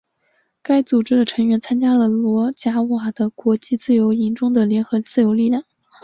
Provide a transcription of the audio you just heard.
该组织的成员参加了罗贾瓦的国际自由营中的联合自由力量。